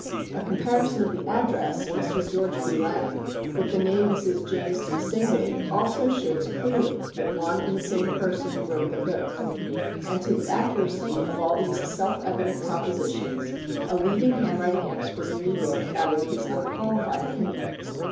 A comparison of the address "Mr. Geo. B. Lang" (on Fig. 1) with the name Mrs. James D. Singley (on Fig. 4) also shows clearly that one and the same person wrote them both. And to the accuracy of all these self evident propositions a leading handwriting expert in New York added his unqualified opinion.